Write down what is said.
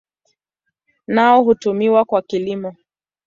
Nao hutumiwa kwa kilimo.